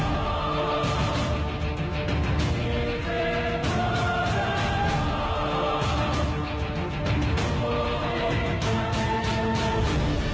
แม่คือแม่ของคนไทย